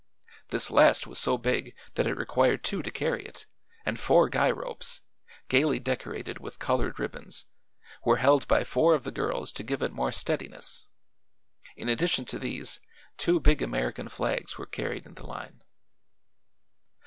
This last was so big that it required two to carry it, and four guy ropes, gayly decorated with colored ribbons, were held by four of the girls to give it more steadiness. In addition to these, two big American flags were carried in the line.